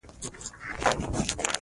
حاجیان د لوی صبر په آزمون کې واقع کېږي.